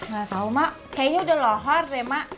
gak tau mak kayaknya udah lohar deh mak